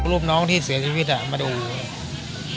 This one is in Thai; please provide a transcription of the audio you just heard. ร่วมน้องที่เสียชีวิตมาดูผมค่ะ